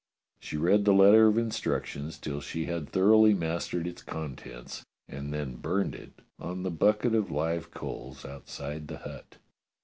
She read the letter of instructions till she had thoroughly mastered its contents, and then burned it on the bucket of live coals outside the hut.